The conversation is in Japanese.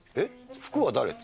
服は誰？って。